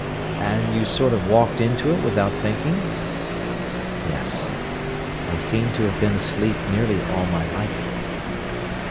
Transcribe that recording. "And you sort of walked into it without thinking?" "Yes. I seemed to have been asleep nearly all my life."